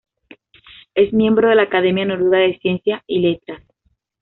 Es miembro de la Academia Noruega de Ciencia y Letras.